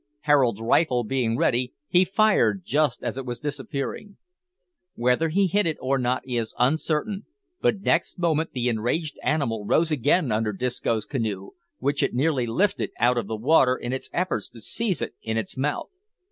Harold's rifle being ready, he fired just as it was disappearing. Whether he hit or not is uncertain, but next moment the enraged animal rose again under Disco's canoe, which it nearly lifted out of the water in its efforts to seize it in its mouth.